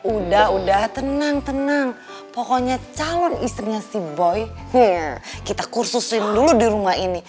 udah udah tenang tenang pokoknya calon istrinya si boy kita kursusin dulu di rumah ini